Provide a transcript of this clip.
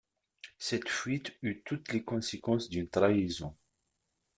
Cette fuite eut toutes les conséquences d’une trahison.